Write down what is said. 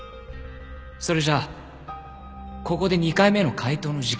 それじゃここで２回目の解答の時間だ。